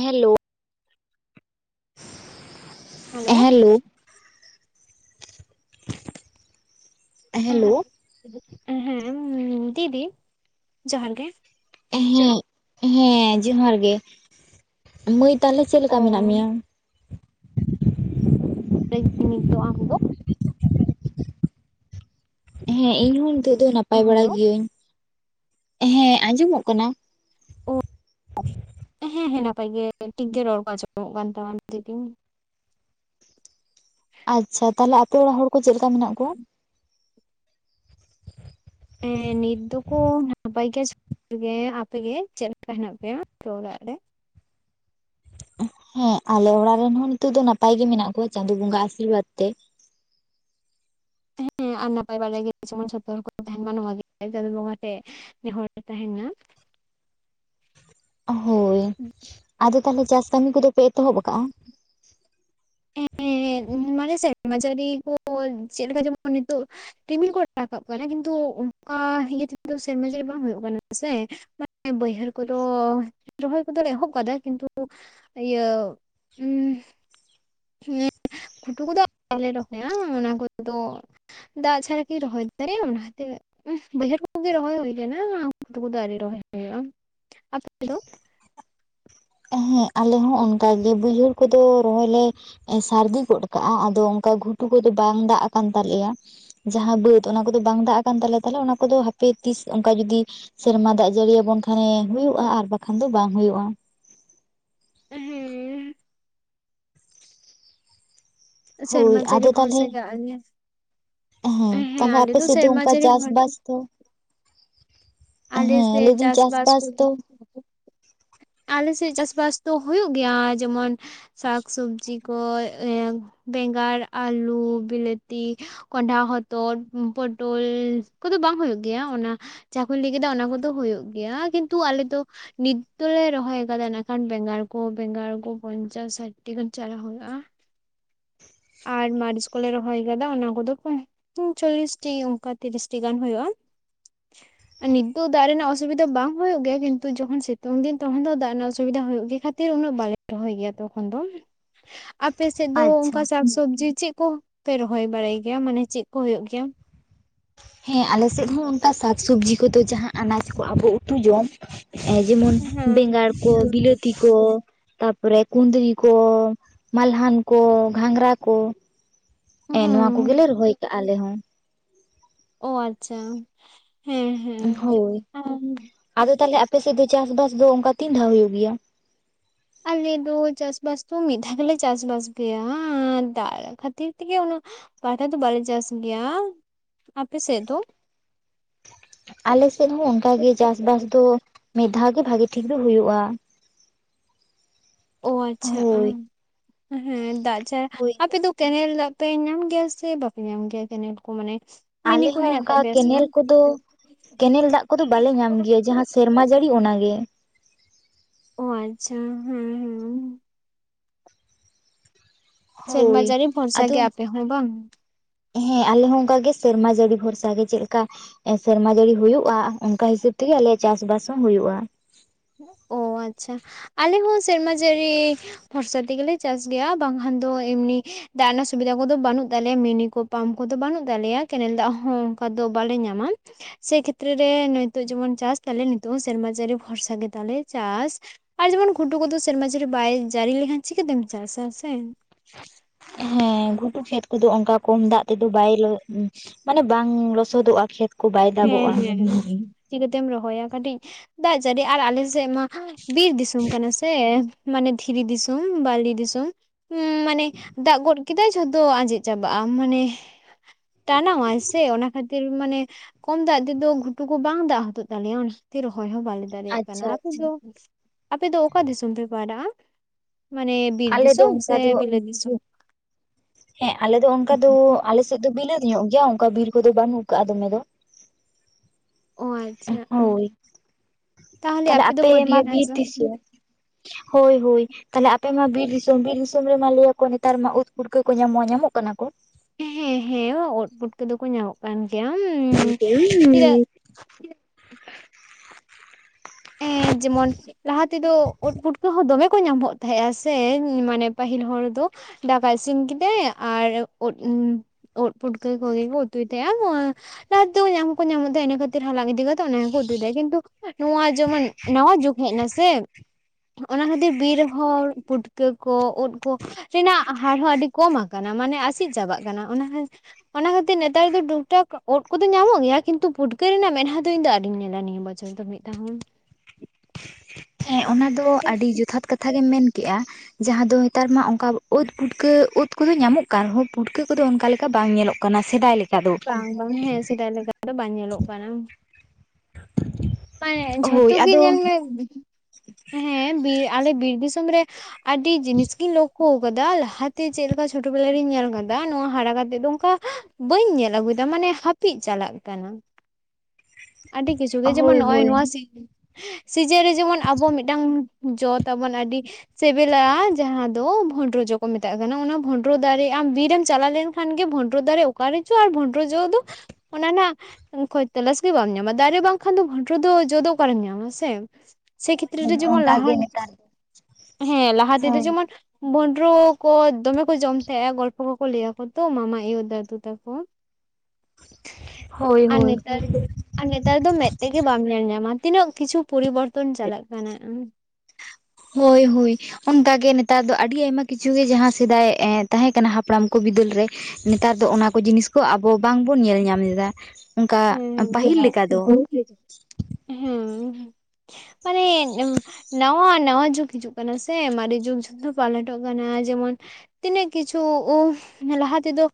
Hello, hello hello ᱦᱮᱸ ᱫᱤᱫᱤ ᱡᱚᱦᱟᱨ ᱜᱮ ᱦᱮᱸ ᱦᱮᱸ ᱡᱚᱦᱟᱨ ᱜᱮ ᱢᱟᱹᱭ ᱛᱟᱦᱚᱞᱮ ᱪᱮᱫ ᱚ ᱞᱮᱠᱟ ᱢᱮᱱᱟᱜ ᱢᱮᱭᱟ? ᱱᱤᱛ ᱱᱤᱛ ᱫᱚ ᱟᱢ ᱫᱚ ᱦᱮᱸ ᱤᱧᱦᱚ ᱱᱤᱛᱚᱜ ᱫᱚ ᱱᱟᱯᱟᱭ ᱵᱟᱲᱟ ᱦᱮᱞᱳ ᱜᱤᱭᱟᱹᱧ ᱦᱮᱸ ᱟᱸᱡᱚᱢᱚᱜ ᱠᱟᱱᱟ? ᱚ ᱦᱮᱸ ᱦᱮᱸ ᱱᱟᱯᱟᱭ ᱜᱮ ᱴᱷᱤᱠ ᱜᱮ ᱨᱚᱲ ᱠᱚ ᱟᱸᱡᱚᱢᱚᱜ ᱠᱟᱱ ᱛᱟᱢᱟ [inaudible] ᱟᱪᱪᱷᱟ ᱛᱟᱦᱚᱞᱮ ᱟᱯᱮ ᱚᱲᱟᱜ ᱦᱚᱲ ᱠᱚ ᱪᱮᱫ ᱞᱮᱠᱟ ᱢᱮᱱᱟᱜ ᱠᱚᱣᱟ? ᱦᱮᱸ ᱱᱤᱛ ᱫᱚᱠᱚ ᱱᱟᱯᱟᱭ ᱜᱮᱭᱟ᱾ ᱮ ᱟᱯᱮᱜ ᱜᱮ ᱪᱮᱫᱞ ᱞᱮᱠᱟ ᱦᱮᱱᱟᱜ ᱯᱮᱭᱟ ᱚᱲᱟᱜ ᱨᱮ? ᱦᱮᱸ ᱟᱞᱮ ᱚᱲᱟᱜ ᱨᱮᱱ ᱦᱚᱸ ᱱᱤᱛᱚᱜ ᱫᱚ ᱱᱟᱯᱟᱭᱜ ᱜᱮ ᱢᱮᱱᱟᱜ ᱠᱚᱣᱟ ᱪᱟᱸᱫᱳ ᱵᱚᱸᱜᱟ ᱟᱥᱤᱨᱵᱟᱫᱽ ᱛᱮ᱾ ᱦᱮᱸ ᱟᱨ ᱱᱟᱯᱟᱭ ᱵᱟᱲᱟᱭ ᱜᱮ ᱡᱮᱢᱚᱱ ᱥᱚᱛᱚᱨ ᱦᱚᱲ ᱠᱚ ᱛᱟᱦᱮᱱ ᱢᱟ ᱱᱚᱣᱟ ᱜᱮ ᱪᱟᱸᱫᱳ ᱵᱚᱸᱜᱟ ᱴᱷᱮᱡ ᱱᱮᱦᱚᱨ ᱛᱟᱦᱮᱱᱟ᱾ ᱦᱳᱭ, ᱟᱫᱚ ᱛᱟᱦᱚᱞᱮ ᱪᱟᱥ ᱠᱟᱹᱢᱤ ᱠᱚᱫᱚ ᱯᱮ ᱮᱛᱚᱦᱚᱵ ᱟᱠᱟᱫᱟᱼᱟ? [inaudible] ᱦᱮᱸ ᱢᱟᱱᱮ ᱥᱮᱨᱢᱟ ᱡᱟᱹᱨᱤ ᱠᱚ ᱪᱮᱫ ᱞᱮᱠᱟ ᱡᱮᱢᱚᱱ ᱱᱤᱛᱚᱜ ᱨᱤᱢᱤᱞ ᱠᱚ ᱨᱟᱠᱟᱵ ᱠᱟᱱᱟ ᱠᱤᱱᱛᱩ ᱚᱱᱠᱟ ᱤᱭᱟᱹ ᱛᱚ ᱥᱮᱨᱢᱟ ᱡᱟᱹᱲᱤ ᱵᱟᱝ ᱦᱩᱭᱩᱜ ᱠᱟᱱᱟ᱾ ᱥᱮ ᱢᱟᱱᱮ ᱵᱟᱹᱭᱦᱟᱹᱲ ᱠᱚᱫᱚ ᱨᱚᱦᱚᱭ ᱠᱚᱫᱚᱞᱮ ᱮᱦᱚᱵ ᱠᱟᱫᱟ ᱠᱤᱱᱛᱩ ᱤᱭᱟᱹ ᱩᱢ ᱦᱮᱸ ᱜᱷᱩᱴᱩ ᱠᱚᱫᱚ ᱵᱟᱞᱮ ᱨᱚᱦᱚᱭᱟ ᱚᱱᱟ ᱠᱚ ᱫᱚ ᱫᱟᱜ ᱪᱷᱟᱲᱟ ᱠᱤ ᱨᱚᱦᱚᱭ ᱫᱟᱲᱮᱭᱟᱢ ᱚᱱᱟ ᱠᱷᱛᱮ ᱩᱸ ᱵᱟᱹᱭᱦᱟᱹᱨ ᱠᱚᱜᱮ ᱨᱚᱦᱚᱭ ᱦᱩᱭ ᱠᱟᱱᱟ, ᱜᱷᱩᱴᱩ ᱠᱚᱫᱚ ᱟᱣᱨᱤ ᱨᱚᱦᱚᱭ ᱦᱩᱭᱩᱜᱟ ᱾ ᱦᱮᱸ ᱟᱞᱮ ᱦᱚᱸ ᱚᱱᱠᱟᱜᱮ ᱵᱟᱹᱭᱦᱟᱹᱲ ᱠᱚᱫᱚ ᱨᱚᱦᱚᱭ ᱞᱮ ᱥᱟᱹᱨᱫᱤ ᱜᱚᱫ ᱠᱟᱜᱼᱟ ᱟᱫᱚ ᱚᱱᱠᱟ ᱜᱷᱩᱴᱩ ᱠᱚᱫᱚ ᱵᱟᱝ ᱫᱟᱜ ᱟᱠᱟᱱ ᱛᱟᱞᱮᱭᱟ᱾ ᱡᱟᱦᱟᱸ ᱵᱟᱹᱫ ᱚᱱᱟ ᱠᱚᱫᱚ ᱵᱟᱝ ᱫᱟᱜ ᱟᱠᱟᱱ ᱛᱟᱞᱮᱭᱟ ᱛᱟᱦᱚᱞᱮ ᱚᱱᱟ ᱠᱚᱫᱚ ᱦᱟᱯᱮ ᱛᱤᱥ ᱚᱱᱠᱟ ᱡᱩᱫᱤ ᱥᱮᱨᱢᱟ ᱫᱟᱜ ᱡᱟᱹᱲᱤᱭᱟᱵᱚᱱ ᱠᱷᱟᱱᱮ ᱦᱩᱭᱩᱜᱼᱟ ᱟᱨ ᱵᱟᱠᱷᱟᱱ ᱫᱚ ᱵᱟᱝ ᱦᱩᱭᱩᱜᱼᱟ᱾ ᱦᱮᱸ, ᱦᱳᱭ ᱥᱮᱨᱢᱟ ᱡᱟᱨᱤ ᱟᱫᱚ ᱛᱟᱦᱚᱞᱮ ᱵᱷᱚᱨᱥᱟ ᱜᱮ ᱦᱮᱸ ᱛᱟᱦᱞᱮ ᱟᱞᱮ ᱟᱯᱮ ᱥᱮᱫ ᱫᱚ ᱥᱮᱨᱢᱟ ᱚᱱᱠᱟ ᱡᱟᱹᱲᱤ ᱪᱟᱥ ᱵᱷᱚᱨᱥᱟ ᱵᱟᱥ ᱫᱚ ᱟᱞᱮ ᱦᱮᱸ, ᱥᱮᱫ ᱞᱟᱹᱭᱫᱟᱹᱧ ᱪᱟᱥᱵᱟᱥ ᱠᱚᱫᱚ ᱫᱚ ᱟᱞᱮ ᱥᱮᱫ ᱪᱟᱥᱵᱟᱥ ᱫᱚ ᱦᱩᱭᱩᱜ ᱜᱮᱭᱟ ᱡᱮᱢᱚᱱ ᱥᱟᱠᱥᱚᱵᱡᱤ ᱠᱚ ᱵᱮᱸᱜᱟᱲ, ᱟᱹᱞᱩ, ᱵᱤᱞᱟᱹᱛᱤ ᱠᱚᱸᱰᱷᱟ, ᱦᱚᱛᱚᱫ, ᱯᱚᱴᱚᱞ ᱠᱚᱫᱚ ᱵᱟᱝ ᱦᱩᱭᱩᱜ ᱜᱮᱭᱟ ᱚᱱᱟ ᱡᱟᱠᱩᱧ ᱞᱟᱹᱭ ᱠᱮᱫᱟ ᱚᱱᱟ ᱠᱚᱫᱚ ᱦᱩᱭᱩᱜ ᱜᱮᱭᱟ ᱠᱤᱱᱛᱩ ᱟᱞᱮ ᱫᱚ ᱱᱤᱛ ᱫᱚ ᱞᱮ ᱨᱚᱦᱚᱭ ᱟᱠᱟᱫᱟ ᱱᱟᱸᱜ ᱠᱷᱟᱱ ᱵᱮᱸᱜᱟᱲ ᱠᱚ ᱵᱮᱸᱜᱟᱲ ᱠᱚ ᱯᱚᱧᱪᱟᱥ ᱥᱟᱴᱴᱤ ᱜᱟᱱ ᱪᱟᱨᱟ ᱦᱩᱭᱩᱜᱼᱟ᱾ ᱟᱨ ᱢᱟᱹᱨᱤᱪ ᱠᱚᱞᱮ ᱨᱚᱦᱚᱭ ᱟᱠᱟᱫᱟ ᱚᱱᱟ ᱠᱚᱫᱚ ᱠᱚ ᱪᱚᱞᱞᱤᱥᱴᱤ ᱚᱱᱠᱟ ᱛᱤᱨᱤᱥᱴᱤ ᱜᱟᱱ ᱦᱩᱭᱩᱜᱭᱼᱟ᱾ [unintelligible] ᱟᱨ ᱱᱤᱛᱳ ᱫᱟᱜ ᱨᱮᱱᱟᱜ ᱚᱥᱩᱵᱤᱫᱟ ᱵᱟᱝ ᱦᱩᱭᱩᱜᱳ ᱜᱮᱭᱟ ᱠᱤᱱᱛᱩ ᱡᱚᱠᱷᱚᱱ ᱥᱤᱛᱩᱝ ᱫᱤᱱ ᱛᱚᱠᱷᱚᱱ ᱫᱚ ᱫᱟᱜ ᱨᱮᱱᱟᱜ ᱚᱥᱩᱵᱤᱫᱟ ᱦᱩᱭᱩᱜᱳ ᱜᱮ ᱠᱷᱟᱹᱛᱤᱨ ᱩᱱᱟᱹᱜ ᱵᱟᱝᱞᱮ ᱨᱚᱦᱚᱭ ᱜᱮᱭᱟ ᱛᱚᱠᱷᱚᱱ ᱫᱚ᱾ [inaudible] ᱟᱯᱮᱥᱮᱫ ᱫᱚ ᱟᱪᱪᱷᱟ ᱚᱱᱠᱟ ᱥᱟᱠᱥᱚᱵᱽᱡᱤ ᱪᱮᱫ ᱠᱚᱯᱮ ᱨᱚᱦᱚᱭ ᱵᱟᱲᱟᱭ ᱜᱮᱭᱟ ᱢᱟᱱᱮ ᱪᱮᱫ ᱠᱚ ᱦᱩᱭᱩᱜ ᱜᱮᱭᱟ? ᱦᱮᱸ, ᱞᱮ ᱥᱮᱫ ᱦᱚᱸ ᱚᱱᱠᱟ ᱥᱟᱠ ᱥᱚᱵᱽᱡᱤ ᱠᱚᱫᱚ ᱡᱟᱦᱟᱸ ᱟᱱᱟᱡ ᱠᱚ ᱟᱵᱚ ᱩᱛᱩ ᱡᱚᱢ ᱡᱮᱢᱚᱱ ᱵᱮᱸᱜᱟᱲ ᱠᱚ, ᱦᱮᱸ ᱵᱤᱞᱟᱹᱛᱤ ᱠᱚ, ᱛᱟᱨᱯᱚᱨᱮ ᱠᱩᱫᱽᱨᱤ ᱠᱚ ᱢᱟᱞᱦᱟᱱ ᱠᱚ, ᱜᱷᱟᱸᱜᱽᱨᱟᱠᱩ ᱱᱚᱶᱟ ᱠᱚᱜᱮᱞᱮ ᱦᱩᱸ ᱨᱚᱦᱚᱭ ᱟᱠᱟᱟᱜᱼᱟ ᱟᱞᱮ ᱦᱚᱸ᱾ ᱚ ᱟᱪᱪᱷᱟ, ᱦᱮᱸ ᱦᱮᱸ ᱦᱳᱭ ᱟᱫᱚ ᱛᱟᱦᱚᱞᱮ ᱟᱯᱮᱮᱥᱮᱫ ᱫᱚ ᱪᱟᱥᱵᱟᱥ ᱫᱚ ᱚᱱᱠᱟ ᱛᱤᱱ ᱫᱷᱟᱣ ᱦᱩᱭᱩᱜ ᱜᱮᱭᱟ? ᱟᱞᱮ ᱫᱚ ᱪᱟᱥᱵᱟᱥ ᱫᱚ ᱢᱤᱫ ᱫᱷᱟᱣ ᱜᱮᱞᱮ ᱪᱟᱥᱵᱟᱥ ᱜᱮᱭᱟ ᱟᱨ ᱫᱟᱜᱟᱜ ᱠᱷᱟᱹᱛᱤᱨ ᱛᱮᱜᱮ ᱩᱱᱟᱹᱜ ᱵᱟᱨ ᱫᱷᱟᱣ ᱫᱚ ᱵᱟᱞᱮ ᱪᱟᱥ ᱜᱮᱭᱟ, ᱟᱯᱮ ᱥᱮᱫ ᱫᱚ? ᱟᱞᱮ ᱥᱮᱫ ᱦᱚᱸ ᱚᱱᱠᱟᱜᱮ ᱪᱟᱥᱵᱟᱥ ᱫᱚ ᱢᱤᱫ ᱫᱷᱟᱣᱜᱮ ᱵᱷᱟᱜᱮ ᱴᱷᱤᱠ ᱫᱚ ᱦᱩᱭᱩᱜᱼᱟ᱾ ᱚ ᱟᱪᱪᱷᱟ ᱦᱳᱭ ᱦᱮᱸ, ᱫᱟᱜ ᱪᱷᱟ ᱦᱳᱭ ᱟᱯᱮ ᱫᱚ ᱠᱮᱱᱮᱞ ᱫᱟᱜ ᱯᱮ ᱧᱟᱢ ᱜᱮᱭᱟ ᱥᱮ ᱵᱟᱯᱮ ᱧᱟᱢ ᱜᱮᱭᱟ ᱠᱮᱱᱮ ᱠᱚ ᱢᱟᱱᱮ ᱢᱤᱱᱤ ᱟᱞᱮ ᱠᱚ ᱦᱚᱸ ᱦᱮᱱᱟᱜ ᱚᱱᱠᱟ ᱛᱟᱯᱮᱭᱟ ᱥᱮ ᱠᱮᱱᱮᱞ ᱵᱟᱝ? ᱠᱚᱫᱚ, ᱠᱮᱱᱮᱞ ᱫᱟᱜ ᱠᱚᱫᱚ ᱵᱟᱞᱮ ᱧᱟᱢ ᱜᱮᱭᱟ ᱡᱟᱦᱟᱸ ᱥᱮᱨᱢᱟ ᱡᱟᱹᱲᱤ ᱚᱱᱟᱜ ᱜᱮ᱾ ᱚ ᱟᱪᱪᱷᱟ, ᱦᱮᱸ ᱦᱮᱸ ᱥᱮᱨᱢᱟ ᱦᱳᱭ ᱡᱟᱨᱤ ᱟᱫᱚ ᱵᱷᱚᱨᱥᱟᱜ ᱜᱮ ᱟᱯᱮ ᱦᱚᱸ ᱵᱟᱝ? ᱦᱮᱸ ᱟᱞᱮ ᱦᱚᱸ ᱚᱱᱠᱟᱟᱜ ᱜᱮ ᱥᱮᱨᱢᱟ ᱡᱟᱹᱲᱤ ᱵᱷᱚᱨᱥᱟ ᱜᱮ ᱪᱮᱫ ᱞᱮᱠᱟ ᱥᱮᱨᱢᱟ ᱡᱟᱹᱲᱤ ᱦᱩᱭᱩᱜᱼᱟ, ᱚᱝᱠᱟ ᱦᱤᱥᱟᱹᱵ ᱛᱮᱜᱮ ᱟᱞᱮᱭᱟᱜ ᱪᱟᱥ ᱵᱟᱥ ᱦᱚᱸ ᱦᱩᱭᱩᱜᱼᱟ᱾ ᱚ ᱟᱪᱪᱷᱟ ᱟᱞᱮ ᱦᱚᱸ ᱥᱮᱨᱢᱟ ᱡᱟᱹᱲᱤ ᱯᱷᱚᱨᱥᱟ ᱛᱮᱜᱮᱞᱮ ᱪᱟᱥ ᱜᱮᱭᱟ ᱵᱟᱝᱠᱷᱟᱱ ᱫᱚ ᱮᱢᱱᱤ ᱫᱟᱜᱽ ᱨᱮᱱᱟᱜ ᱥᱩᱵᱤᱫᱟ ᱠᱚᱫᱚ ᱵᱟᱹᱱᱩᱜ ᱛᱟᱞᱮᱭᱟ ᱢᱤᱱᱤ ᱠᱚ ᱯᱟᱢ ᱠᱚᱫᱚ ᱵᱟᱹᱱᱩᱜ ᱛᱟᱞᱮᱭᱟ ᱠᱮᱱᱮᱞ ᱫᱟᱜᱽ ᱦᱚᱸ ᱚᱝᱠᱟ ᱫᱚ ᱵᱟᱞᱮ ᱧᱟᱢᱟ᱾ ᱥᱮ ᱠᱷᱮᱛᱨᱚᱨᱮ ᱱᱤᱛᱚᱜ ᱡᱮᱢᱚᱱ ᱪᱟᱥ ᱫᱟᱞᱮ ᱱᱤᱛᱚᱜ ᱦᱚᱸ ᱥᱮᱨᱢᱟ ᱡᱟᱹᱲᱤ ᱵᱷᱚᱨᱥᱟ ᱜᱮ ᱛᱟᱞᱮ ᱪᱟᱥ ᱟᱨ ᱡᱮᱢᱚᱱ ᱜᱷᱩᱴᱩ ᱠᱚᱫᱚ ᱥᱮᱨᱢᱟ ᱡᱟᱹᱲᱤ ᱵᱟᱭ ᱡᱟᱹᱲᱤ ᱞᱮᱠᱷᱟᱱ ᱪᱤᱠᱟᱹᱛᱮᱢ ᱪᱟᱥᱟ ᱥᱮ, ᱦᱟᱸ ᱜᱷᱩᱴᱩ ᱠᱷᱮᱛ ᱠᱚᱫᱚ ᱚᱝᱠᱟ ᱠᱚᱢ ᱫᱟᱜᱽ ᱛᱮᱫᱚ ᱵᱟᱭ ᱞᱟᱹ ᱩᱸ ᱢᱟᱱᱮ ᱵᱟᱝ ᱞᱚᱥᱚᱫᱚᱜᱼᱟ ᱠᱷᱮᱛ ᱠᱚ ᱵᱟᱭ ᱫᱟᱜᱚᱜᱼᱟ ᱦᱮᱸ ᱦᱮᱸ ᱦᱮᱸ ᱪᱤᱠᱟᱹᱛᱮᱢ ᱨᱚᱦᱚᱭᱟ ᱠᱟᱹᱴᱤᱜ ᱫᱟᱜᱽ ᱡᱟᱹᱨᱤ ᱟᱨ ᱟᱞᱮ ᱥᱮᱜ ᱢᱟ ᱵᱤᱨ ᱫᱤᱥᱚᱢ ᱠᱟᱱᱟ ᱥᱮ ᱢᱟᱱᱮ ᱫᱷᱤᱨᱤ ᱫᱤᱥᱚᱢ ᱵᱟᱞᱤ ᱫᱤᱥᱚᱢ, ᱦᱩᱸ ᱢᱟᱱᱮ ᱫᱟᱜᱽ ᱜᱚᱫ ᱠᱮᱫᱟᱭ ᱡᱷᱚᱛᱚ ᱟᱸᱡᱮᱫ ᱪᱟᱵᱟᱜᱼᱟ ᱢᱟᱱᱮ ᱴᱟᱱᱟᱣᱟᱭ ᱥᱮ ᱚᱱᱟ ᱠᱷᱟᱹᱛᱤᱨ ᱢᱟᱱᱮ ᱠᱚᱢ ᱫᱟᱜᱽ ᱛᱮᱫᱚ ᱜᱷᱩᱴᱩ ᱠᱚ ᱵᱟᱝ ᱫᱟᱜᱽ ᱦᱚᱫᱚᱜ ᱛᱟᱞᱮᱭᱟ ᱚᱱᱟ ᱠᱷᱟᱛᱤᱨ ᱨᱚᱦᱚᱭ ᱦᱚᱸ ᱵᱟᱞᱮ ᱫᱟᱲᱮᱭᱟᱜ ᱠᱟᱱᱟ ᱟᱪᱪᱷᱟ ᱟᱠᱩ ᱟᱪᱪᱷᱟ ᱫᱚ ᱟᱯᱮ ᱫᱚ ᱚᱠᱟ ᱫᱤᱥᱚᱢ ᱯᱮ ᱯᱟᱲᱟᱜᱼᱟ? ᱢᱟᱱᱮ ᱵᱤᱨ ᱟᱞᱮ ᱫᱚ ᱫᱤᱥᱚᱢ ᱚᱱᱠᱟ ᱥᱮ ᱫᱚ ᱵᱤᱞᱟᱹᱛ ᱫᱤᱥᱚᱢ? ᱦᱮᱸ ᱟᱞᱮ ᱫᱚ ᱚᱱᱠᱟ ᱫᱚ ᱟᱞᱮᱥᱮᱜ ᱫᱚ ᱵᱤᱞᱟᱹᱛ ᱧᱚᱜ ᱜᱮᱭᱟ ᱚᱱᱠᱟ ᱵᱤᱨ ᱠᱚᱫᱚ ᱵᱟᱹᱱᱩᱜ ᱠᱟᱜᱼᱟ ᱫᱚᱢᱮ ᱫᱚ᱾ ᱚ ᱟᱪᱪᱷᱟ ᱦᱳᱭ ᱛᱟᱦᱚᱞᱮ ᱫᱚ ᱟᱯᱮ ᱢᱟ ᱢᱟᱹᱴᱭᱟᱹᱲ ᱵᱤᱨ ᱦᱟᱥᱟ ᱫᱤᱥᱟᱹᱢ ᱦᱳᱭ ᱦᱳᱭ᱾ ᱛᱟᱦᱚᱞᱮ ᱟᱯᱮᱢᱟ ᱵᱤᱨ ᱫᱤᱥᱟᱹᱢ ᱵᱤᱨ ᱫᱤᱥᱟᱹᱢ ᱨᱮᱢᱟ ᱞᱟᱹᱭ ᱟᱠᱚ ᱱᱮᱛᱟᱨ ᱢᱟ ᱩᱫ ᱯᱩᱴᱠᱟᱹ ᱠᱚ ᱧᱟᱢᱚᱜᱼᱟ ᱧᱟᱢᱚᱜ ᱠᱟᱱᱟ ᱠᱚ? ᱦᱮᱸ ᱦᱮᱸ ᱩᱫ ᱯᱩᱴᱠᱟᱹ ᱫᱚᱠᱚ ᱧᱟᱢᱚᱜ ᱠᱟᱱ ᱜᱮᱭᱟ᱾ᱪᱮᱫᱟᱜ ᱮᱸ ᱡᱮᱢᱚᱱ ᱞᱟᱦᱟ ᱛᱮᱫᱚ ᱩᱫ ᱯᱩᱴᱠᱟᱹ ᱦᱚᱸ ᱫᱚᱢᱮ ᱠᱚ ᱧᱟᱢᱚᱜ ᱛᱟᱦᱮᱸᱼᱟ ᱥᱮ ᱢᱟᱱᱮ ᱯᱟᱹᱦᱤᱞ ᱦᱚᱲ ᱫᱚ ᱫᱟᱠᱟ ᱤᱥᱤᱱ ᱠᱮᱫᱟᱭ ᱟᱨ ᱩᱫ ᱤᱧ ᱩᱫ ᱯᱩᱴᱠᱟᱹ ᱠᱚᱜᱮ ᱠᱚ ᱩᱛᱩᱭ ᱛᱟᱦᱮᱸᱜᱼᱟ ᱞᱟᱦᱟᱫᱚ ᱧᱟᱢ ᱦᱚᱸᱠᱚ ᱧᱟᱢᱚᱜ ᱛᱟᱦᱮᱸᱜ ᱤᱱᱟᱹ ᱠᱷᱟᱹᱛᱤᱨ ᱦᱟᱞᱟᱝ ᱤᱫᱤ ᱜᱚᱫ ᱛᱚ ᱚᱱᱟ ᱦᱚᱸᱠᱚ ᱩᱫᱩᱭ ᱫᱟ ᱠᱤᱱᱛᱩ ᱱᱚᱣᱟ ᱡᱮᱢᱚᱱ ᱱᱟᱣᱟ ᱡᱩᱜᱽ ᱦᱮᱜ ᱱᱟ ᱥᱮ, ᱚᱱᱟ ᱠᱷᱟᱹᱛᱤᱨ ᱵᱤᱨ ᱦᱚᱲ ᱯᱩᱴᱠᱟᱹ ᱠᱚ ᱩᱫ ᱠᱚ ᱪᱮᱱᱟᱜ ᱦᱟᱨ ᱦᱚᱸ ᱟᱹᱰᱤ ᱠᱚᱢ ᱟᱠᱟᱱᱟ ᱢᱟᱱᱮ ᱟᱥᱤᱜ ᱪᱟᱵᱟᱜ ᱠᱟᱱᱟ ᱚᱱᱟ ᱦᱚᱸ ᱚᱱᱟ ᱠᱷᱟᱹᱛᱤᱨ ᱱᱮᱛᱟᱨ ᱫᱚ ᱴᱩᱠ ᱴᱟᱠ ᱩᱫ ᱠᱚᱫᱚ ᱧᱟᱢᱚᱜ ᱜᱮᱭᱟ ᱠᱤᱱᱛᱩ ᱯᱩᱴᱠᱟᱹ ᱨᱮᱱᱟᱜ ᱢᱮᱫᱦᱟ ᱫᱚ ᱤᱧ ᱫᱚ ᱟᱹᱰᱤᱧ ᱧᱮᱞᱟ ᱱᱤᱭᱟᱹ ᱵᱚᱪᱷᱚᱨ ᱱᱤᱛ ᱦᱟᱹᱵᱤᱜ ᱛᱮᱦᱚᱸ ᱦᱮᱸ ᱚᱱᱟ ᱫᱚ ᱟᱹᱰᱤ ᱡᱚᱛᱷᱟᱛ ᱠᱟᱛᱷᱟ ᱜᱮᱢ ᱢᱮᱱᱠᱮᱜᱼᱟ᱾ ᱡᱟᱦᱟᱸ ᱫᱚ ᱱᱮᱛᱟᱨ ᱢᱟ ᱚᱝᱠᱟ ᱩᱫ ᱯᱩᱴᱠᱟᱹ ᱩᱫ ᱠᱚᱫᱚ ᱧᱟᱢᱚᱜ ᱠᱟᱱ ᱨᱮᱦᱚᱸ ᱯᱩᱴᱠᱟᱹ ᱠᱚᱫᱚ ᱚᱱᱠᱟ ᱞᱮᱠᱟ ᱵᱟᱝ ᱧᱮᱞᱚᱜ ᱠᱟᱱᱟ ᱥᱮᱫᱟᱭ ᱞᱮᱠ ᱵᱟᱝ ᱵᱟᱝ ᱦᱮᱸ ᱥᱮᱫᱟᱭ ᱞᱮᱠᱟ ᱫᱚ ᱵᱟᱝ ᱧᱮᱞᱚᱜ ᱠᱟᱱᱟ᱾ ᱢᱟᱱᱮ ᱡᱷᱚᱛᱚ ᱦᱳᱭ ᱜᱮ ᱟᱫᱚ ᱧᱮᱞ ᱢᱮ ᱦᱮᱸ ᱵᱤᱨ ᱟᱞᱮ ᱵᱤᱨ ᱫᱤᱥᱟᱹᱢ ᱨᱮ ᱟᱹᱰᱤ ᱡᱤᱱᱤᱥ ᱜᱤᱧ ᱞᱳ ᱠᱚ ᱠᱟᱫᱟ ᱞᱟᱦᱟᱛᱮ ᱪᱮᱜᱞᱮᱠᱟ ᱪᱷᱳᱴᱳ ᱵᱮᱞᱟ ᱨᱤᱧ ᱧᱮᱞ ᱠᱟᱫᱟ ᱱᱚᱣᱟ ᱦᱟᱨᱟ ᱠᱟᱛᱮᱜ ᱫᱚ ᱚᱝᱠᱟ ᱵᱟᱹᱧ ᱧᱮᱞ ᱟᱹᱜᱩᱭᱫᱟ ᱢᱟᱱᱮ ᱦᱟᱹᱯᱤᱜ ᱪᱟᱞᱟᱜ ᱠᱟᱱᱟ᱾ [inaudible] ᱟᱹᱰᱤ ᱠᱤᱪᱷᱩ ᱜᱮ ᱡᱮᱢᱚᱱ ᱦᱳᱭ ᱱᱚᱜᱼᱚᱭ ᱦᱳᱭ ᱱᱚᱣᱟ ᱥᱤᱡᱮᱱ ᱥᱤᱡᱮᱱ ᱨᱮ ᱡᱮᱢᱚᱱ ᱟᱵᱚ ᱢᱤᱜᱴᱟᱝ ᱡᱚ ᱛᱟᱵᱚᱱ ᱟᱹᱰᱤ ᱥᱮᱵᱮᱞᱟ ᱡᱟᱦᱟᱸ ᱫᱚ ᱵᱷᱚᱸᱰᱨᱚ ᱡᱚ ᱠᱚ ᱢᱮᱛᱟᱜ ᱠᱟᱱᱟ ᱚᱱᱟ ᱵᱷᱚᱸᱰᱨᱚ ᱫᱟᱨᱮ ᱟᱢ ᱵᱤᱨᱮᱢ ᱪᱟᱞᱟᱣ ᱞᱮᱱ ᱠᱷᱟᱱ ᱜᱮ ᱵᱷᱚᱸᱰᱨᱚ ᱫᱟᱨᱮ ᱚᱠᱟ ᱨᱮ ᱪᱚ ᱟᱨ ᱵᱷᱚᱸᱰᱨᱚ ᱡᱚ ᱫᱚ ᱚᱱᱟᱱᱟ ᱠᱷᱚᱡᱽ ᱛᱚᱞᱟᱥ ᱜᱮ ᱵᱟᱢ ᱧᱟᱢᱟ ᱫᱟᱨᱮ ᱵᱟᱝ ᱠᱷᱟᱱ ᱫᱚ ᱵᱷᱚᱸᱰᱨᱚ ᱫᱚ ᱡᱚ ᱫᱚ ᱚᱠᱟᱨᱮᱢ ᱧᱟᱢᱟ ᱥᱮ, ᱥᱮ ᱠᱷᱮᱛᱨᱚᱨᱮ ᱨᱮ ᱡᱮᱢᱚᱱ ᱚᱱᱠᱟ ᱞᱟᱦᱟ ᱜᱮ ᱱᱮᱛᱟᱨ ᱫᱚ᱾ ᱦᱮᱸ ᱞᱟᱦᱟ ᱛᱮᱫᱚ ᱦᱮᱸ ᱡᱮᱢᱚᱱ ᱵᱷᱚᱱᱰᱨᱚ ᱠᱚ ᱫᱚᱢᱮ ᱠᱚ ᱡᱚᱢ ᱛᱟᱦᱮᱸᱜᱼᱟ ᱜᱚᱞᱯᱚ ᱠᱚᱠᱚ ᱞᱟᱹᱭ-ᱟ ᱠᱚ ᱛᱚ ᱢᱟᱢᱟ ᱟᱭᱳ ᱫᱟᱫᱩ ᱛᱟᱠᱚ᱾ [inaudible] ᱦᱳᱭ ᱟᱨ ᱦᱳᱭ ᱱᱮᱛᱟᱨ ᱫᱚ ᱟᱨ ᱱᱮᱛᱟᱨ ᱫᱚ ᱢᱮᱫ ᱛᱮᱜᱮ ᱵᱟᱢ ᱧᱮᱞ ᱧᱟᱢᱟ ᱛᱤᱱᱟᱹᱜ ᱠᱤᱪᱷᱩ ᱯᱚᱨᱤᱵᱚᱨᱛᱚᱱ ᱪᱟᱞᱟᱜ ᱠᱟᱱᱟ ᱟ ᱦᱳᱭ ᱦᱳᱭ ᱚᱱᱠᱟᱜᱮ ᱱᱮᱛᱟᱨ ᱫᱚ ᱟᱹᱰᱤ ᱟᱭᱢᱟ ᱠᱤᱪᱷᱩ ᱜᱮ ᱡᱟᱦᱟᱸ ᱥᱮᱫᱟᱭ ᱮᱸ ᱛᱟᱦᱮᱸ ᱠᱟᱱᱟ ᱦᱟᱯᱲᱟᱢ ᱠᱚ ᱵᱤᱫᱟᱹᱞ ᱨᱮ ᱱᱮᱛᱟᱨ ᱫᱚ ᱚᱱᱟ ᱠᱚ ᱡᱤᱱᱤᱥ ᱠᱚ ᱟᱵᱚ ᱵᱟᱝᱵᱚᱱ ᱧᱮᱞ ᱧᱟᱢᱮᱫᱟ ᱚᱝᱠᱟ ᱦᱮᱸ ᱯᱟᱹᱦᱤᱞ ᱞᱮᱠᱟ ᱫᱚ᱾ ᱦᱮᱸ ᱢᱟᱱᱮ ᱱᱟᱣᱟ ᱱᱟᱣᱟ ᱡᱩᱜᱽ ᱦᱤᱡᱩᱜ ᱠᱟᱱᱟ ᱥᱮ ᱢᱟᱨᱮ ᱡᱩᱜᱽ ᱡᱷᱚᱛᱚ ᱯᱟᱞᱴᱚᱜ ᱠᱟᱱᱟ ᱡᱮᱢᱚᱱ ᱛᱤᱱᱟᱹᱜ ᱠᱤᱪᱷᱩ ᱞᱟᱦᱟ ᱩᱦ ᱞᱟᱦᱟ ᱛᱮᱫᱚ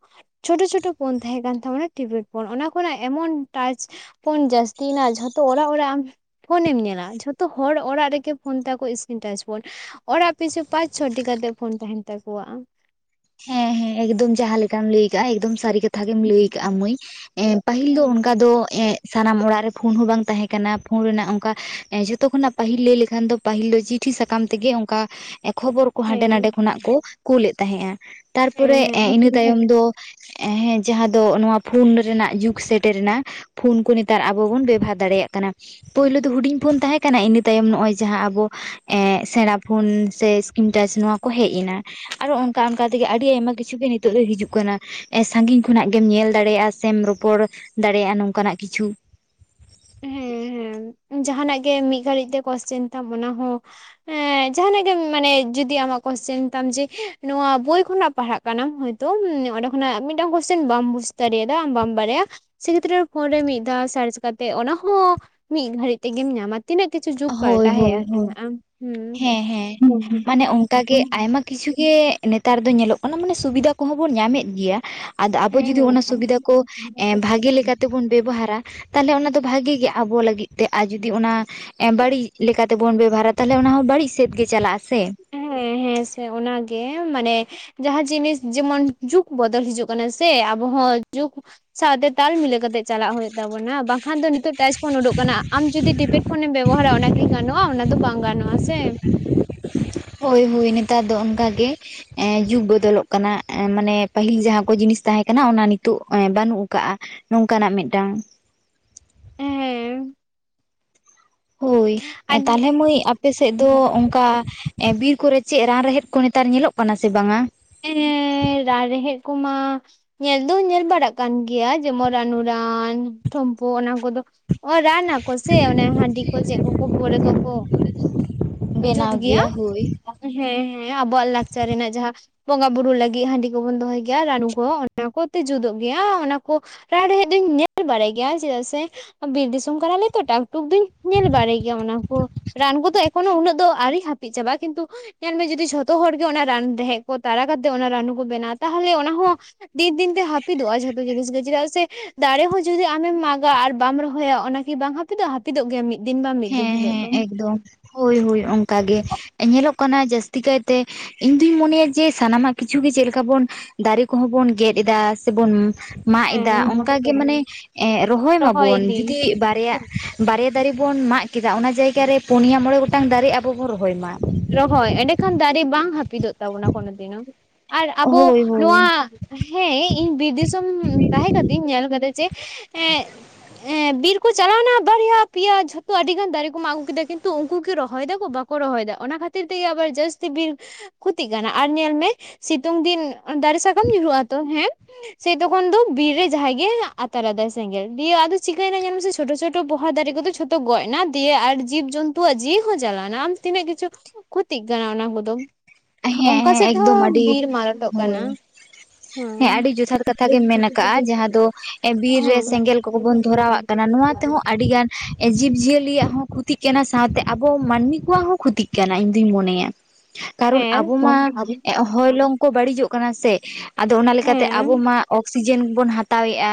ᱪᱷᱳᱴᱳ ᱪᱷᱳᱴᱳ ᱯᱷᱳᱱ ᱛᱟᱦᱮᱸ ᱠᱟᱱ ᱛᱟᱵᱚᱱᱟ ᱴᱤᱵᱮᱰ ᱯᱷᱳᱱ ᱚᱱᱟ ᱠᱷᱚᱱᱟᱜ ᱮᱢᱚᱱ ᱴᱟᱪ ᱯᱳᱱ ᱡᱟᱹᱥᱛᱤᱭᱮᱱᱟ ᱡᱷᱚᱛᱚ ᱚᱲᱟᱜ ᱚᱲᱟᱜ ᱯᱷᱳᱱᱮᱢ ᱧᱮᱞᱟ ᱡᱷᱚᱛᱚ ᱦᱚᱲ ᱚᱲᱟᱜ ᱨᱮᱜᱮ ᱯᱷᱳᱱ ᱛᱟᱠᱚ ᱤᱥᱠᱨᱤᱱ ᱴᱟᱪ ᱯᱷᱳᱱ᱾ ᱚᱲᱟᱜ ᱯᱤᱪᱷᱩ ᱯᱟᱸᱪ ᱪᱷᱚᱴᱤ ᱠᱟᱛᱮᱜ ᱯᱷᱳᱱ ᱛᱟᱦᱮᱱ ᱛᱟᱠᱚᱣᱟ᱾ ᱦᱮᱸ ᱦᱮᱸ ᱮᱠᱫᱚᱢ ᱡᱟᱦᱟᱸ ᱞᱮᱠᱟᱢ ᱞᱟᱹᱭ ᱠᱟᱜ-ᱟ ᱮᱠᱫᱚᱢ ᱥᱟᱨᱤ ᱠᱟᱛᱷᱟ ᱜᱮᱢ ᱞᱟᱹᱭ ᱠᱟᱜ-ᱟ ᱢᱟᱹᱭ ᱮ ᱯᱟᱹᱦᱤᱞ ᱫᱚ ᱦᱮᱸ ᱚᱱᱠᱟ ᱫᱚ ᱮᱜ ᱥᱟᱱᱟᱢ ᱚᱲᱟᱜ ᱨᱮ ᱯᱷᱳᱱ ᱦᱚᱸ ᱵᱟᱝ ᱛᱟᱦᱮᱸ ᱠᱟᱱᱟ ᱯᱷᱳᱱ ᱨᱮᱱᱟᱜ ᱚᱝᱠᱟ ᱡᱷᱚᱛᱚ ᱠᱷᱚᱱᱟᱜ ᱯᱟᱹᱦᱤᱞ ᱞᱟᱹᱭ ᱞᱮᱠᱷᱟᱱ ᱫᱚ ᱯᱟᱹᱦᱤᱞᱳ ᱫᱚ ᱪᱤᱴᱷᱤ ᱥᱟᱠᱟᱢ ᱛᱮᱜᱮ ᱚᱝᱠᱟ ᱮ ᱠᱷᱚᱵᱚᱨ ᱠᱚ ᱦᱟᱸᱰᱮ ᱦᱮᱸ ᱱᱟᱰᱮ ᱠᱷᱚᱱᱟᱜ ᱠᱚ ᱠᱳᱞᱮᱫ ᱛᱟᱦᱮᱸᱜ-ᱟ ᱛᱟᱨᱯᱚᱨᱮ ᱦᱮᱸ ᱮ ᱦᱮᱸ ᱤᱱᱟᱹ ᱛᱟᱭᱚᱢ ᱫᱚ ᱮᱦᱮᱸ ᱡᱟᱦᱟᱸ ᱫᱚ ᱱᱚᱣᱟ ᱯᱷᱩᱱ ᱨᱮᱱᱟᱜ ᱡᱩᱜᱽ ᱥᱮᱴᱮᱨᱮᱱᱟ ᱯᱷᱩᱱ ᱠᱚ ᱱᱮᱛᱟᱨ ᱟᱵᱚ ᱵᱚᱱ ᱵᱮᱵᱚᱦᱟᱨ ᱫᱟᱲᱮᱭᱟᱜ ᱠᱟᱱᱟ᱾ ᱯᱳᱭᱞᱚ ᱫᱚ ᱦᱩᱰᱤᱧ ᱯᱷᱳᱱ ᱛᱟᱦᱮᱸ ᱠᱟᱱᱟ ᱤᱱᱟᱹ ᱛᱟᱭᱚᱢ ᱱᱚᱜ-ᱚᱭ ᱡᱟᱦᱟᱸ ᱟᱵᱚ ᱥᱮᱬᱟ ᱯᱷᱳᱱ ᱥᱮ ᱤᱱᱴᱟᱪ ᱱᱚᱣᱟ ᱠᱚ ᱦᱮᱡ ᱮᱱᱟ ᱟᱨᱦᱚᱸ ᱚᱱᱠᱟ ᱚᱱᱠᱟ ᱛᱮᱜᱮ ᱟᱹᱰᱤ ᱟᱭᱢᱟ ᱠᱤᱪᱷᱩ ᱜᱮ ᱱᱤᱛᱚᱜ ᱫᱚ ᱦᱤᱡᱩᱜ ᱠᱟᱱᱟ᱾ ᱮ ᱥᱟᱹᱜᱤᱧ ᱠᱷᱚᱱᱟᱜ ᱜᱮᱢ ᱧᱮᱞ ᱫᱟᱲᱮᱭᱟᱜ-ᱟ ᱥᱮᱢ ᱨᱚᱯᱚᱲ ᱫᱟᱲᱮᱭᱟᱜ-ᱟ ᱱᱚᱝᱠᱟᱱᱟᱜ ᱠᱤᱪᱷᱩ [inaudible] ᱡᱟᱦᱱᱟᱜ ᱜᱮ ᱢᱤᱫ ᱜᱷᱟᱹᱲᱤᱡ ᱛᱮ ᱠᱚᱥᱪᱮᱱ ᱛᱟᱢ ᱚᱱᱟᱦᱚᱸ ᱮᱸ ᱡᱟᱦᱟᱱᱟᱜ ᱜᱮ ᱢᱟᱱᱮ ᱡᱩᱫᱤ ᱟᱢᱟᱜ ᱠᱚᱥᱪᱮᱱ ᱛᱟᱢ ᱡᱮ ᱱᱚᱣᱟ ᱵᱳᱭ ᱠᱷᱚᱱᱟᱜ ᱯᱟᱲᱦᱟᱜ ᱠᱟᱱᱟᱢ ᱦᱚᱭᱛᱳ ᱚᱸᱰᱮ ᱠᱷᱚᱱᱟᱜ ᱢᱤᱫᱴᱟᱝ ᱠᱚᱥᱪᱮᱱ ᱵᱟᱢ ᱵᱩᱡ ᱫᱟᱨᱮᱭᱟᱫᱟ ᱟᱢ ᱵᱟᱢ ᱵᱟᱨᱟᱭᱟ ᱥᱮ ᱠᱷᱮᱛᱨᱮ ᱯᱷᱳᱱ ᱨᱮ ᱢᱤᱫ ᱫᱷᱟᱣ ᱥᱟᱨᱪ ᱠᱟᱛ ᱛᱮ ᱚᱱᱟ ᱦᱚᱸ ᱢᱤᱜ ᱜᱷᱟᱹᱲᱤᱡ ᱛᱮᱜᱮᱢ ᱧᱟᱢᱟ ᱛᱤᱱᱟᱹᱜ ᱠᱤᱪᱷᱩ ᱡᱩᱜ ᱦᱳᱭ ᱯᱟᱞᱴᱟᱣ ᱦᱮᱡ ᱦᱳᱭ ᱦᱳᱭ ᱟᱠᱟᱱᱟ ᱦᱩᱸ ᱦᱮᱸ ᱦᱮᱸ ᱦᱩᱸ ᱢᱟᱱᱮ ᱚᱝᱠᱟ ᱜᱮ ᱦᱩᱸ ᱟᱭᱢᱟ ᱠᱤᱪᱷᱩ ᱜᱮ ᱱᱮᱛᱟᱨ ᱫᱚ ᱧᱮᱞᱚᱜ ᱠᱟᱱᱟ ᱢᱟᱱᱮ ᱥᱩᱵᱤᱫᱟ ᱠᱚᱦᱚᱸ ᱵᱚᱱ ᱧᱟᱢᱮᱫ ᱜᱮᱭᱟ ᱟᱫᱚ ᱟᱵᱚ ᱡᱩᱫᱤ ᱚᱱᱟ ᱦᱩᱸ ᱥᱩᱵᱤᱫᱟ ᱠᱚ ᱮ ᱵᱷᱟᱹᱜᱤ ᱞᱮᱠᱟᱛᱮᱵᱚᱱ ᱵᱮᱵᱦᱟᱨᱟ ᱛᱟᱦᱚᱞᱮ ᱚᱱᱟ ᱫᱚ ᱵᱷᱟᱹᱜᱤ ᱜᱮ ᱟᱵᱚ ᱞᱟᱹᱜᱤᱫ ᱛᱮ ᱟᱨ ᱡᱩᱫᱤ ᱚᱱᱟ ᱵᱟᱹᱲᱤᱡ ᱞᱮᱠᱟᱛᱮᱵᱚᱱ ᱵᱮᱵᱚᱦᱟᱨᱟ ᱛᱟᱦ ᱞᱮ ᱚᱱᱟ ᱦᱚᱸ ᱵᱟᱹᱲᱤᱡ ᱥᱮᱫ ᱜᱮ ᱪᱟᱞᱟᱜ-ᱟ ᱥᱮ᱾ ᱦᱮᱸ ᱦᱮᱸ ᱥᱮ ᱚᱱᱟᱜᱮ ᱢᱟᱱᱮ ᱡᱟᱦᱟᱸ ᱡᱤᱱᱤᱥ ᱡᱮᱢᱚᱱ ᱡᱩᱜᱽ ᱵᱚᱫᱚᱞ ᱦᱤᱡᱩᱜ ᱠᱟᱱᱟ ᱥᱮ ᱟᱵᱚ ᱦᱚᱸ ᱡᱩᱜᱽ ᱥᱟᱶᱛᱮ ᱛᱟᱞ ᱢᱤᱞᱟᱹ ᱠᱟᱛᱮᱜ ᱪᱟᱞᱟᱜ ᱦᱩᱭᱩᱜ ᱛᱟᱵᱚᱱᱟ ᱵᱟᱝᱠᱷᱟᱱ ᱫᱚ ᱱᱤᱛᱳᱜ ᱴᱟᱪ ᱯᱷᱳᱱ ᱩᱰᱩᱠ ᱠᱟᱱᱟ ᱟᱢ ᱡᱩᱫᱤ ᱠᱤᱯᱮᱰ ᱯᱷᱳᱱᱮᱢ ᱵᱮᱵᱚᱦᱟᱨᱟ ᱚᱱᱟ ᱠᱤ ᱜᱟᱱᱚᱜ-ᱟ ᱚᱱᱟ ᱫᱚ ᱵᱟᱝ ᱜᱟᱱᱚᱜ-ᱟ ᱥᱮ᱾ ᱦᱳᱭ ᱦᱳᱭ ᱱᱮᱛᱟᱨ ᱫᱚ ᱚᱱᱠᱟ ᱜᱮ, ᱮᱸ ᱡᱩᱜᱽ ᱵᱚᱫᱚᱞᱚᱜ ᱠᱟᱱᱟ ᱢᱟᱱᱮ ᱯᱟᱹᱦᱤᱞ ᱡᱟᱦᱟᱸ ᱠᱚ ᱡᱤᱱᱤᱥ ᱛᱟᱦᱮᱸ ᱠᱟᱱᱟ ᱚᱱᱟ ᱱᱤᱛᱚᱜ ᱵᱟᱹᱱᱩᱜ ᱟᱠᱟᱫ-ᱟ᱾ ᱱᱚᱝᱠᱟᱱᱟᱜ ᱢᱮᱜᱴᱟᱝ ᱮᱸ ᱦᱳᱭ ᱟᱨ ᱛᱟᱦᱞᱮ ᱢᱟᱹᱭ ᱟᱯᱮ ᱥᱮᱡ ᱫᱚ ᱚᱝᱠᱟ ᱵᱤᱨ ᱠᱚᱨᱮ ᱪᱮᱫ ᱨᱟᱱ ᱨᱮᱦᱮᱫ ᱠᱚ ᱱᱮᱛᱟᱨ ᱧᱮᱞᱚᱜ ᱠᱟᱱᱟ ᱥᱮ ᱵᱟᱝᱟ? ᱮᱸ ᱨᱟᱱ ᱨᱮᱦᱮᱜ ᱠᱚᱢᱟ ᱧᱮᱞ ᱫᱚ ᱧᱮᱞ ᱵᱟᱲᱟᱜ ᱠᱟᱱ ᱜᱮᱭᱟ ᱡᱮᱢᱚᱱ ᱨᱟᱱᱩᱩᱨᱟᱱ ᱴᱷᱩᱢᱯᱩ ᱚᱱᱟ ᱠᱚᱫᱚ ᱚᱸ ᱨᱟᱱ ᱱᱟ ᱠᱚ ᱥᱮ ᱚᱱᱟ ᱦᱟᱸᱰᱤ ᱠᱚ ᱪᱮ ᱠᱚ ᱠᱚ [unintelligible] ᱠᱚᱠᱚ ᱵᱮᱱᱟᱣ ᱜᱮᱭᱟ ᱦᱳᱭ ᱦᱮᱸ ᱦᱮᱸ ᱟᱵᱚᱣᱟᱜ ᱞᱟᱠᱪᱟᱨ ᱨᱮᱱᱟᱜ ᱡᱟᱦᱟᱸᱼᱼ ᱵᱚᱸᱜᱟ ᱵᱩᱨᱩ ᱞᱟᱹᱜᱤᱫ ᱦᱟᱺᱰᱤ ᱠᱚ ᱵᱚᱱ ᱫᱚᱦᱚᱭ ᱜᱮᱭᱟ ᱨᱟᱱᱩ ᱠᱚ ᱚᱱᱟ ᱠᱚᱛᱮ ᱡᱩᱛᱚᱜ ᱜᱮᱭᱟ ᱚᱱᱟ ᱠᱚᱼᱼ ᱨᱟᱱ ᱨᱮᱦᱮᱫ ᱫᱩᱧ ᱧᱮᱞ ᱵᱟᱲᱟᱭ ᱜᱮᱭᱟ ᱪᱮᱫᱟᱜ ᱥᱮᱼᱼ ᱵᱤᱨ ᱫᱤᱥᱚᱢ ᱠᱟᱱᱟᱞᱮ ᱛᱚ ᱴᱟᱠ ᱴᱩᱠ ᱫᱩᱧ ᱧᱮᱞ ᱵᱟᱲᱟᱭ ᱜᱮᱭᱟ ᱚᱱᱟ ᱠᱚᱼᱼ ᱨᱟᱱ ᱠᱚᱫᱚ ᱮᱠᱷᱚᱱᱳ ᱩᱱᱟᱹᱜ ᱫᱚ ᱟᱹᱣᱨᱤ ᱦᱟᱹᱯᱤᱫ ᱪᱟᱵᱟᱜᱼᱟ ᱠᱤᱱᱛᱩ ᱧᱮᱞ ᱢᱮ ᱡᱩᱫᱤ ᱡᱷᱚᱛᱚ ᱦᱚᱲ ᱜᱮ ᱚᱱᱟ ᱨᱟᱱ [unintelligible] ᱠᱚ ᱛᱟᱨᱟ ᱠᱟᱛᱮ ᱚᱱᱟ ᱨᱟᱱᱩ ᱠᱚ ᱵᱮᱱᱟᱜᱼᱟ ᱛᱟᱦᱚᱞᱮ ᱚᱱᱟ ᱦᱚᱸ ᱫᱤᱱ ᱫᱤᱱ ᱛᱮ ᱦᱟᱹᱯᱤᱫᱚᱜᱼᱟ ᱡᱷᱚᱛᱚ ᱡᱤᱱᱤᱥ ᱜᱮ ᱪᱮᱫᱟᱜ ᱥᱮ ᱫᱟᱨᱮ ᱦᱚᱸ ᱡᱩᱫᱤ ᱟᱢᱮᱢ ᱢᱟᱜᱟ ᱟᱨ ᱵᱟᱢ ᱨᱚᱦᱚᱭᱟ ᱚᱱᱟᱼᱼ ᱵᱟᱝ ᱦᱟᱯᱤᱫᱚᱜᱼᱟ ᱦᱟᱹᱯᱤᱫᱚᱜ ᱜᱮᱭᱟ ᱢᱤᱫᱼᱼ ᱦᱮᱸ ᱦᱮᱸ ᱮᱠᱫᱚᱢ ᱦᱳᱭ ᱦᱳᱭ ᱚᱱᱠᱟ ᱜᱮ ᱧᱮᱞᱚᱜ ᱠᱟᱱᱟ ᱡᱟᱹᱥᱛᱤ ᱠᱟᱭ ᱛᱮ ᱤᱧ ᱫᱩᱧ ᱢᱚᱱᱮᱭᱟ ᱡᱮ ᱥᱟᱱᱟᱢᱟᱜ ᱠᱤᱪᱷᱩ ᱜᱮ ᱪᱮᱫᱮ ᱞᱮᱠᱟ ᱵᱩᱱ ᱫᱟᱨᱮ ᱠᱚᱦᱚᱸ ᱵᱚᱱ ᱜᱮᱫ ᱮᱫᱟ ᱥᱮᱵᱩᱱ ᱢᱟᱜ ᱮᱫᱟ ᱚᱱᱠᱟ ᱜᱮ ᱦᱮᱸ ᱢᱟᱱᱮ ᱨᱚᱦᱚᱭ ᱢᱟᱵᱚᱱ ᱡᱩᱫᱤ ᱵᱟᱨᱭᱟ ᱵᱟᱨᱭᱟ ᱫᱟᱨᱮ ᱵᱚᱱ ᱢᱟᱜ ᱠᱮᱫᱟ ᱚᱱᱟ ᱡᱟᱭᱜᱟ ᱨᱮ ᱯᱩᱱᱭᱟ ᱢᱚᱬᱮ ᱜᱚᱴᱟᱝ ᱫᱟᱨᱮ ᱟᱵᱚ ᱵᱚᱱ ᱨᱚᱦᱚᱭ ᱢᱟ ᱨᱚᱦᱚᱭ ᱮᱸᱰᱮ ᱠᱷᱟᱱ ᱫᱟᱨᱮ ᱵᱟᱝ ᱦᱟᱹᱯᱤᱫᱚᱜ ᱛᱟᱵᱚᱱᱟ ᱠᱳᱱᱳ ᱫᱤᱱᱳ ᱟᱨ ᱟᱵᱚ ᱦᱳᱭ ᱦᱳᱭ ᱱᱚᱣᱟᱼᱼ ᱦᱮᱸ ᱤᱧ ᱵᱤᱨ ᱫᱤᱥᱚᱢ ᱛᱟᱦᱮᱸ ᱠᱟᱛᱮ ᱤᱧ ᱧᱮᱞ ᱟᱠᱟᱫᱟ ᱡᱮ ᱮᱸᱼᱼ ᱮᱸ ᱵᱤᱨ ᱠᱚ ᱪᱟᱞᱟᱣ ᱱᱟ ᱵᱟᱨᱭᱟ ᱯᱮᱭᱟ ᱡᱷᱚᱛᱚ ᱟᱹᱰᱤ ᱜᱟᱱ ᱫᱟᱨᱮ ᱠᱚ ᱢᱟᱜ ᱟᱹᱜᱩ ᱠᱮᱫᱟ ᱠᱤᱱᱛᱩ ᱩᱱᱠᱩ ᱠᱤ ᱨᱚᱦᱚᱭ ᱫᱟ ᱠᱚ ᱵᱟᱼᱼ ᱠᱚ ᱨᱚᱦᱚᱭ ᱮᱫᱟ ᱚᱱᱟ ᱠᱷᱟᱹᱛᱤᱨ ᱛᱮᱜᱮ ᱟᱵᱟᱨ ᱡᱟᱹᱥᱛᱤ ᱵᱤᱨ ᱠᱷᱚᱛᱤᱜ ᱠᱟᱱᱟ ᱟᱨ ᱧᱮᱞ ᱢᱮ ᱥᱤᱛᱩᱝ ᱫᱤᱱᱼᱼ ᱫᱟᱨᱮ ᱥᱟᱠᱟᱢ ᱧᱩᱨᱩᱜ ᱟ ᱛᱚ ᱦᱮᱸ ᱥᱮ ᱛᱚᱠᱷᱚᱱ ᱫᱚ ᱵᱤᱨ ᱨᱮ ᱡᱟᱦᱟᱸᱭ ᱜᱮ ᱟᱛᱟᱨ ᱟᱫᱟᱭ ᱥᱮᱸᱜᱮᱞ ᱫᱤᱭᱮ ᱟᱫᱚ ᱪᱤᱠᱟᱹᱭ ᱮᱱᱟ ᱧᱟᱢ ᱢᱮ ᱥᱮ ᱪᱷᱳᱴᱳ ᱪᱷᱳᱴᱳ ᱯᱚᱦᱟ ᱫᱟᱨᱮ ᱠᱚᱫᱚ ᱡᱷᱚᱛᱚ ᱜᱚᱡ ᱮᱱᱟ ᱫᱤᱭᱮ ᱟᱨ ᱡᱤᱵᱽ ᱡᱚᱱᱛᱩᱣᱟ ᱡᱤᱭᱤ ᱦᱚᱸ ᱟᱟᱞᱟᱣ ᱱᱟ ᱟᱨ ᱛᱤᱱᱟᱹᱜ ᱠᱤᱪᱷᱩᱼᱼ ᱠᱷᱩᱛᱤᱜ ᱠᱟᱱᱟ ᱚᱱᱟ ᱠᱚ ᱫᱚᱼᱼ ᱦᱮᱸ ᱦᱮᱸ ᱮᱠᱫᱚᱢ ᱟᱹᱰᱤ ᱢᱟᱨᱟᱴᱚᱜ ᱦᱳᱭᱼᱼ ᱠᱟᱱᱟ ᱦᱮᱸ ᱟᱹᱰᱤ ᱡᱚᱛᱷᱟᱛ ᱠᱟᱛᱷᱟ ᱜᱮᱢ ᱢᱮᱱ ᱟᱠᱟᱜᱼᱟ ᱡᱟᱦᱟᱸ ᱫᱚ ᱵᱤᱨ ᱦᱮᱸ ᱨᱮ ᱥᱮᱸᱜᱮᱞ ᱠᱚ ᱵᱚᱱ ᱫᱷᱚᱨᱟᱣᱟᱜ ᱠᱟᱱᱟ ᱱᱚᱣᱟ ᱛᱮᱦᱚᱸ ᱟᱹᱰᱤᱜᱟᱱᱼᱼ ᱡᱤᱵᱽ ᱡᱤᱭᱟᱹᱞᱤᱭᱟᱜ ᱦᱚᱸ ᱠᱷᱚᱛᱤᱜ ᱠᱟᱱᱟ ᱥᱟᱶ ᱛᱮ ᱟᱵᱚ ᱢᱟᱹᱱᱢᱤ ᱠᱚᱣᱟᱜ ᱦᱚᱸ ᱠᱷᱚᱛᱤᱜ ᱠᱟᱱᱟ ᱤᱧ ᱫᱩᱧ ᱢᱚᱱᱮᱭᱟ ᱠᱟᱨᱚᱱ ᱟᱵᱚ ᱢᱟᱼᱼ ᱦᱮᱸ ᱦᱮᱸ ᱦᱚᱭᱞᱚᱝ ᱠᱚ ᱵᱟᱹᱲᱤᱡᱚᱜ ᱠᱟᱱᱟ ᱥᱮ ᱟᱫᱚ ᱚᱱᱟ ᱞᱮᱠᱟ ᱛᱮ ᱦᱮᱸ ᱟᱵᱚ ᱢᱟ ᱚᱠᱥᱤᱡᱮᱱ ᱵᱚᱱ ᱦᱟᱛᱟᱣ ᱦᱟᱛᱟᱣᱮᱫᱼᱟ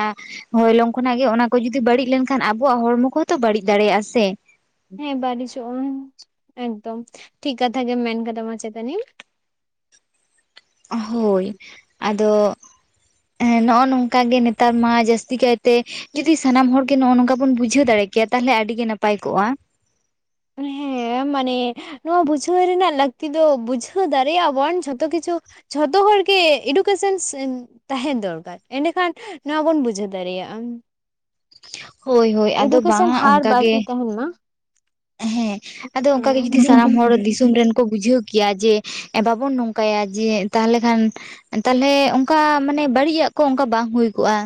ᱦᱚᱭᱞᱚᱝ ᱠᱷᱚᱱᱟᱜ ᱜᱮ ᱚᱱᱟ ᱠᱚ ᱡᱩᱫᱤ ᱵᱟᱹᱲᱤᱡ ᱞᱮᱱ ᱠᱷᱟᱱ ᱟᱵᱚᱣᱟᱜ ᱦᱚᱲᱢᱚ ᱠᱚᱦᱚᱸ ᱛᱚ ᱵᱟᱹᱲᱤᱡ ᱫᱟᱲᱮᱭᱟᱜᱼᱟ ᱥᱮ ᱦᱮᱸ ᱵᱟᱹᱲᱤᱡᱚᱜᱼᱟ ᱮᱠᱫᱚᱢ ᱴᱷᱤᱠ ᱠᱟᱛᱷᱟ ᱜᱮᱢ ᱢᱮᱱ ᱠᱟᱫᱟᱢ ᱢᱟᱪᱮᱛᱟᱹᱱᱤ ᱦᱳᱭ ᱟᱫᱚᱼᱼ ᱦᱮᱸ ᱱᱚᱜᱼᱚ ᱱᱚᱝᱠᱟ ᱜᱮ ᱱᱮᱛᱟᱨ ᱢᱟ ᱡᱟᱹᱥᱛᱤ ᱠᱟᱭᱛᱮᱼᱼ ᱡᱩᱫᱤ ᱥᱟᱱᱟᱢ ᱦᱚᱲ ᱜᱮ ᱱᱚᱜ ᱚᱭ ᱱᱚᱝᱠᱟ ᱵᱚᱱ ᱵᱩᱡᱷᱟᱹᱣ ᱫᱟᱲᱮ ᱠᱮᱭᱟ ᱛᱟᱦᱚᱞᱮ ᱟᱹᱰᱤ ᱜᱮ ᱱᱟᱯᱟᱭ ᱠᱚᱜᱼᱟ ᱦᱮᱸ ᱢᱟᱱᱮᱼᱼ ᱱᱚᱣᱟ ᱵᱩᱡᱷᱟᱹᱣ ᱨᱮᱱᱟᱜ ᱞᱟᱹᱠᱛᱤ ᱫᱚ ᱵᱩᱡᱷᱟᱹᱣ ᱫᱟᱲᱮᱭᱟᱜᱼᱟ ᱵᱚᱱ ᱡᱷᱚᱛᱚ ᱠᱤᱪᱷᱩᱼᱼ ᱡᱷᱚᱛᱚ ᱦᱚᱲ ᱜᱮ ᱮᱰᱩᱠᱮᱥᱚᱱ ᱛᱟᱦᱮᱸᱱ ᱫᱚᱨᱠᱟᱨ ᱮᱸᱰᱮ ᱠᱷᱟᱱ ᱱᱚᱣᱟ ᱵᱚᱱ ᱵᱩᱡᱷᱟᱹᱣ ᱫᱟᱲᱮᱭᱟᱜᱼᱟ ᱦᱳᱭ ᱦᱳᱭ ᱟᱫᱚ ᱵᱟᱝ ᱮᱰᱩᱠᱮᱥᱚᱱ ᱟ ᱦᱟᱨ ᱚᱱᱠᱟ ᱜᱮᱼᱼ ᱵᱟᱹᱲᱛᱤ ᱛᱟᱦᱮᱱ ᱢᱟ ᱦᱮᱸ ᱟᱫᱚ ᱚᱱᱠᱟ ᱜᱮ ᱡᱩᱫᱤ ᱥᱟᱱᱟᱢ ᱦᱚᱲ ᱫᱤᱥᱚᱢ ᱨᱮᱱ ᱠᱚ ᱵᱩᱡᱷᱟᱹᱣ ᱠᱮᱭᱟ ᱡᱮᱼᱼ ᱵᱟᱵᱚᱱ ᱱᱚᱝᱠᱟᱭᱟ ᱡᱮ ᱛᱟᱦᱚᱞᱮ ᱠᱷᱟᱱᱼᱼ ᱛᱟᱦᱚᱞᱮ ᱚᱱᱠᱟ ᱢᱟᱱᱮ ᱵᱟᱹᱲᱤᱡᱟᱜ ᱠᱚ ᱚᱱᱠᱟ ᱵᱟᱝ ᱦᱩᱭ ᱠᱚᱜᱼᱟ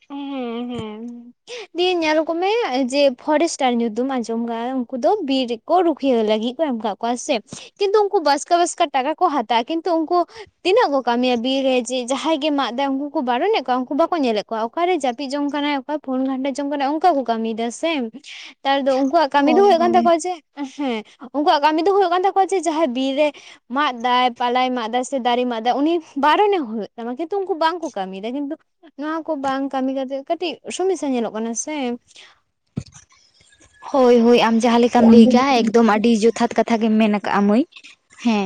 [inaudible] ᱦᱮᱸ ᱦᱮᱸ ᱫᱤᱭᱮ ᱧᱮᱞ ᱠᱚᱢᱮ ᱡᱮ ᱯᱷᱚᱨᱮᱥᱴᱟᱨ ᱧᱩᱛᱩᱢ ᱟᱸᱡᱚᱢ ᱟᱠᱟᱫ ᱩᱱᱠᱩ ᱫᱚ ᱵᱤᱨ ᱠᱚ ᱨᱩᱠᱷᱤᱭᱟᱹ ᱞᱟᱹᱜᱤᱫ ᱠᱚ ᱮᱢ ᱟᱠᱟᱜᱼᱼ ᱥᱮ ᱠᱤᱱᱛᱩ ᱩᱱᱠᱩ ᱵᱟᱥᱠᱟ ᱵᱟᱥᱠᱟ ᱴᱟᱠᱟ ᱠᱚ ᱦᱟᱛᱟᱼᱟ ᱠᱤᱱᱛᱩ ᱩᱱᱠᱩᱼᱼ ᱛᱤᱱᱟᱹᱜ ᱠᱚ ᱠᱟᱹᱢᱤᱭᱟ ᱵᱤᱨ ᱨᱮ ᱡᱮ ᱡᱟᱦᱟᱸᱭ ᱜᱮ ᱢᱟᱜ ᱫᱟ ᱩᱱᱠᱩ ᱠᱚ ᱵᱟᱨᱚᱱᱮᱫ ᱠᱚᱣᱟ ᱩᱱᱠᱩ ᱵᱟᱠᱚ ᱧᱮᱞᱮᱜ ᱠᱚᱣᱟ ᱚᱠᱟᱨᱮ ᱡᱟᱹᱯᱤᱫ ᱡᱚᱝ ᱠᱟᱱᱟᱭ ᱚᱠᱟ ᱯᱷᱳᱱ ᱜᱷᱟᱱᱴᱟ ᱡᱚᱝ ᱠᱟᱱᱟ ᱚᱱᱠᱟ ᱠᱚ ᱠᱟᱹᱢᱤᱭ ᱫᱟ ᱥᱮ? ᱛᱟᱨ ᱫᱚ ᱩᱱᱠᱩᱣᱟᱜ ᱠᱟᱹᱢᱤ ᱫᱚ ᱦᱳᱭ ᱦᱩᱭᱩᱜᱭᱳᱜ ᱠᱟᱱ ᱦᱳᱭ ᱛᱟᱠᱚᱣᱟ ᱡᱮ ᱦᱮᱸ ᱩᱱᱠᱩᱣᱟᱜ ᱠᱟᱹᱢᱤ ᱫᱚ ᱦᱩᱭᱩᱜ ᱠᱟᱱ ᱛᱟᱠᱚᱣᱟ ᱡᱮ ᱡᱟᱦᱟᱸᱭ ᱵᱤᱨ ᱨᱮ ᱢᱟᱜ ᱫᱟᱭ ᱯᱟᱞᱟᱭ ᱢᱟᱜ ᱫᱟ ᱥᱮ ᱫᱟᱨᱮᱭ ᱢᱟᱜ ᱫᱟᱭ ᱩᱱᱤ ᱵᱟᱨᱚᱱᱮ ᱦᱩᱭᱩᱜ ᱛᱟᱢᱟ, ᱠᱤᱱᱛᱩ ᱩᱱᱠᱩ ᱵᱟᱝᱠᱚ ᱠᱟᱹᱢᱤᱭᱮᱫᱟ ᱠᱤᱱᱛᱩ ᱱᱚᱣᱟ ᱠᱚ ᱵᱟᱝ ᱠᱟᱹᱢᱤ ᱠᱟᱛᱮᱜ ᱠᱟᱹᱴᱤᱡ ᱥᱚᱢᱚᱥᱥᱟ ᱧᱮᱞᱚᱜ ᱠᱟᱱᱟ ᱥᱮ᱾ ᱦᱳᱭ ᱦᱳᱭ ᱟᱢ ᱡᱟᱦᱟᱸ ᱞᱮᱠᱟᱢ ᱟᱢ ᱞᱟᱹᱭ ᱫᱚ ᱠᱮᱜᱼᱟ ᱮᱠᱫᱚᱢ ᱟᱹᱰᱤ ᱡᱚᱛᱷᱟᱛ ᱠᱟᱛᱷᱟ ᱜᱮᱢ ᱢᱮᱱ ᱠ‌ᱟᱜᱼᱟ ᱢᱟᱹᱭ᱾ ᱦᱮᱸ